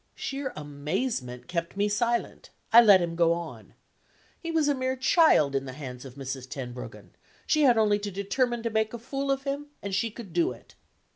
Sheer amazement kept me silent: I let him go on. He was a mere child in the hands of Mrs. Tenbruggen: she had only to determine to make a fool of him, and she could do it.